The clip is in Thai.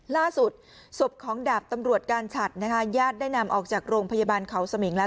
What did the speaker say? ล่าสุดศพของดาบตำรวจการฉัดนะคะญาติได้นำออกจากโรงพยาบาลเขาสมิงแล้ว